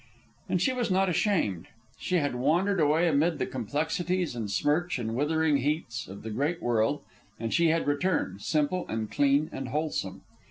And she was not ashamed. She had wandered away amid the complexities and smirch and withering heats of the great world, and she had returned, simple, and clean, and wholesome.